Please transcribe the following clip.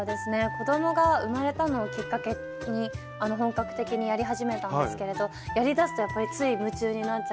子供が生まれたのをきっかけに本格的にやり始めたんですけれどやりだすとやっぱりつい夢中になっちゃって。